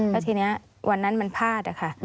แล้วทีนี้วันนั้นมันพลาดค่ะ